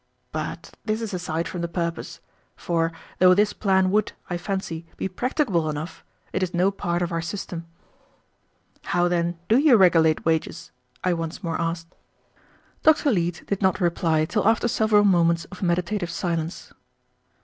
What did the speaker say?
But this is aside from the purpose, for, though this plan would, I fancy, be practicable enough, it is no part of our system." "How, then, do you regulate wages?" I once more asked. Dr. Leete did not reply till after several moments of meditative silence.